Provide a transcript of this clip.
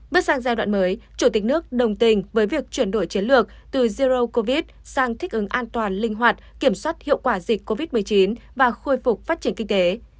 bước sang giai đoạn mới chủ tịch nước đồng tình với việc chuyển đổi chiến lược từ zero covid sang thích ứng an toàn linh hoạt kiểm soát hiệu quả dịch covid một mươi chín và khôi phục phát triển kinh tế